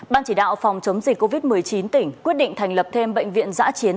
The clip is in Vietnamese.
ban chỉ đạo phòng chống dịch covid một mươi chín tỉnh quyết định thành lập thêm bệnh viện giã chiến